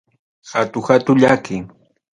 Hatu hatu llaki.